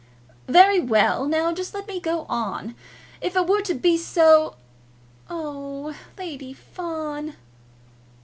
"Very well! Now just let me go on. If it were to be so " "Oh h, Lady Fawn!"